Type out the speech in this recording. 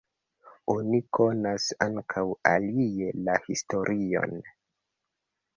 Oni konas ankaŭ alie la historion.